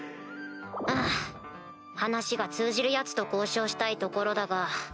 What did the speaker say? ハァ話が通じるヤツと交渉したいところだが。